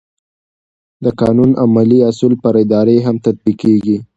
د قانون عمومي اصول پر ادارې هم تطبیقېږي.